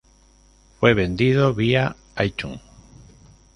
Fue vendido vía iTunes.